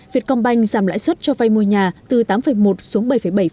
việt công banh giảm lãi suất cho vay mua nhà từ tám một xuống bảy bảy